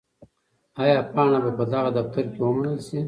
آیا پاڼه به په دغه دفتر کې ومنل شي؟